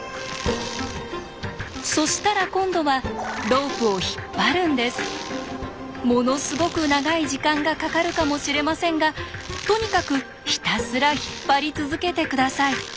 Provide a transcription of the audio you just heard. そしたら今度はものすごく長い時間がかかるかもしれませんがとにかくひたすら引っ張り続けて下さい。